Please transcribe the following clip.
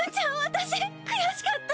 私悔しかった！